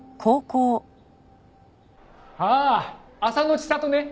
ああ浅野知里ね。